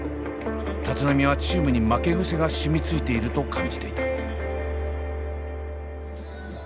立浪はチームに負け癖がしみついていると感じていた。